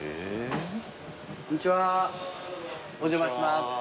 こんにちはお邪魔します。